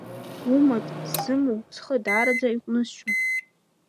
Умаҵ сзыму, схы даараӡа иҟәнысшьон…